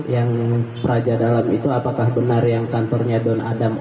yang peraja dalam itu apakah benar yang kantornya don adam